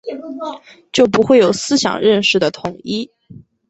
就不会有思想认识的统一